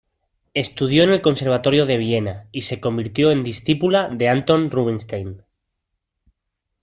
Estudió en el Conservatorio de Viena y se convirtió en discípula de Anton Rubinstein.